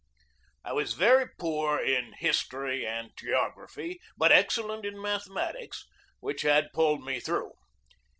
I was very poor in history and geography, but excellent in mathematics, which had pulled me through.